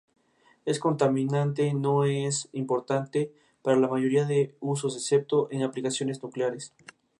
Posteriormente estudiaría con Jan Matejko en Cracovia.